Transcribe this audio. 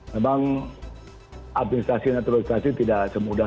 memang administrasi naturalisasi tidak semudah